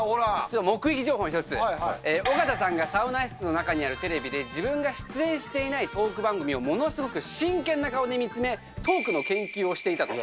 目撃情報一つ、尾形さんがサウナ室の中にあるテレビで自分が出演していないトーク番組をものすごく真剣な顔で見つめ、トークの研究をしていたと。